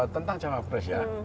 tentang calon pres ya